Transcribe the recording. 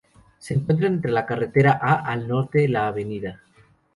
Se encuentra entre la carretera A al norte, la Av.